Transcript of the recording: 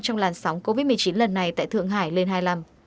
trong làn sóng covid một mươi chín lần này tại thượng hải lên hai mươi năm